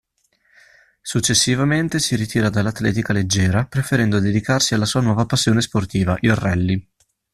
Successivamente si ritira dall'atletica leggera, preferendo dedicarsi alla sua nuova passione sportiva, il rally.